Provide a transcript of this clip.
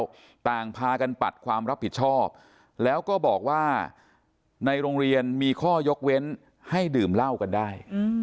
แล้วต่างพากันปัดความรับผิดชอบแล้วก็บอกว่าในโรงเรียนมีข้อยกเว้นให้ดื่มเหล้ากันได้